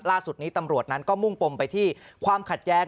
ล่าสุดนี้ตำรวจนั้นก็มุ่งปมไปที่ความขัดแย้ง